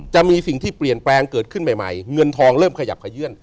จะมีสิ่งที่เปลี่ยนแปลงเกิดขึ้นใหม่เงินทองเริ่มขยับขยื่น